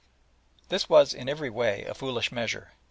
This was in every way a foolish measure.